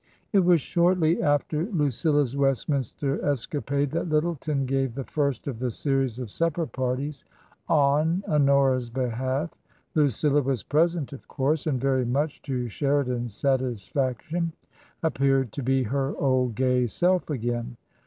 It was shortly after Lucilla's Westminster escapade that Lyttleton gave the first of the series of supper parties on Honora's behalf. Lucilla was present, of course, and, very much to Sheridan's satisfaction, ap peared to be her old gay self again.